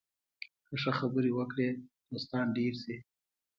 که ښه خبرې وکړې، دوستان ډېر شي